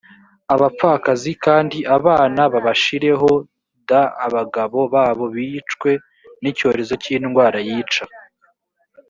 abapfakazi kandi abana babashireho d abagabo babo bicwe n icyorezo cy indwara yica